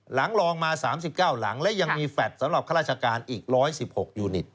ลองมา๓๙หลังและยังมีแฟลต์สำหรับข้าราชการอีก๑๑๖ยูนิต